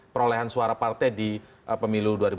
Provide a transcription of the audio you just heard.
perolehan suara partai di pemilu dua ribu sembilan belas